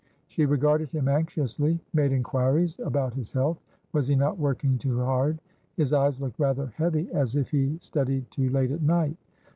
She regarded him anxiously; made inquiries about his health; was he not working too hard? His eyes looked rather heavy, as if he studied too late at night.